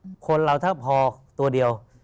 ถ้าคนเราพอตัวเดียว